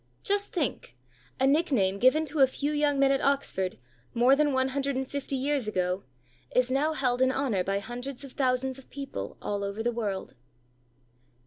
Just think; a nickname given to a few young men at Oxford, more than one hundred and fifty years ago, is now held in honour by hundreds of thousands of people all over the world.